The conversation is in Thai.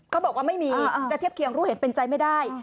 เขาบอกว่าไม่มีจะเทียบเคียงรู้เห็นเป็นใจไม่ได้